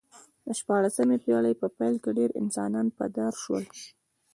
د شپاړسمې پېړۍ په پیل کې ډېر انسانان په دار شول